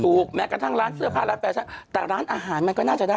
แม้กระทั่งร้านเสื้อผ้าร้านแฟชั่นแต่ร้านอาหารมันก็น่าจะได้